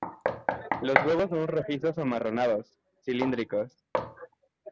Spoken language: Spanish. Los huevos son rojizos-amarronados, cilíndricos.